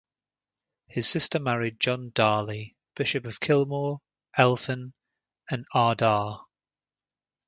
His sister married John Darley, bishop of Kilmore, Elphin, and Ardagh.